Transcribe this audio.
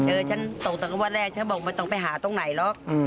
เออฉันตกตั้งแต่วันแรกฉันบอกมันต้องไปหาตรงไหนหรอก